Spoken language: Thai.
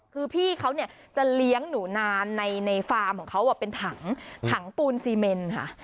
คือพี่เขาเนี่ยจะเลี้ยงหนูนานในฟาร์มของเขาเป็นถังถังปูนซีเมนค่ะ